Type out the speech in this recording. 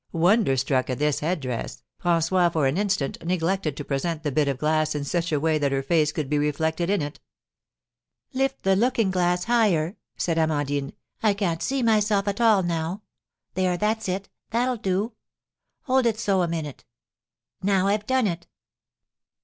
Wonder struck at this head dress, François for an instant neglected to present the bit of glass in such a way that her face could be reflected in it. "Lift the looking glass higher," said Amandine; "I can't see myself at all now! There, that's it, that'll do! Hold it so a minute! Now I've done it!